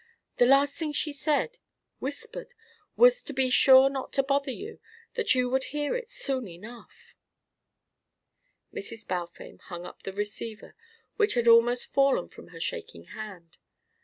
The last thing she said whispered was to be sure not to bother you, that you would hear it soon enough " Mrs. Balfame hung up the receiver, which had almost fallen from her shaking hand.